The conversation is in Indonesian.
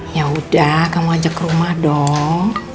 ya udah kamu ajak rumah dong